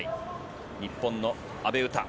日本の阿部詩。